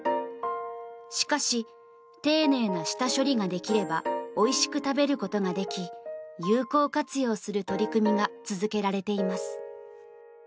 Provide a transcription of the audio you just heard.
しかし、丁寧な下処理ができればおいしく食べることができ有効活用する取り組みが続けられています。